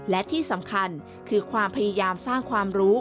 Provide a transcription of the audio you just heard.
และที่สำคัญคือความพยายามสร้างความรู้